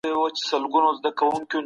د جمعې لمونځ یووالي نښه ده.